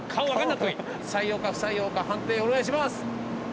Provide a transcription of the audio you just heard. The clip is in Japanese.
採用か不採用か判定お願いします。